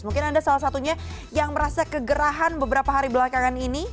mungkin anda salah satunya yang merasa kegerahan beberapa hari belakangan ini